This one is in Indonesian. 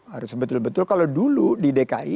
harus betul betul kalau dulu di dki